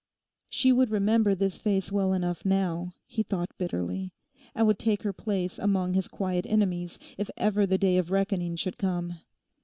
She would remember this face well enough now, he thought bitterly, and would take her place among his quiet enemies, if ever the day of reckoning should come.